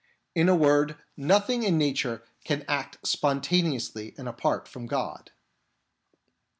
In a word, nothing in nature can act sponta neously and apart from God.